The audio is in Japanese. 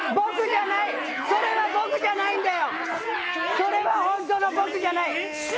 それは本当の僕じゃない。